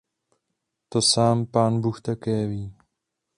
To sám Pánbůh také ví.